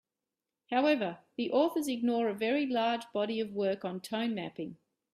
However, the authors ignore a very large body of work on tone mapping.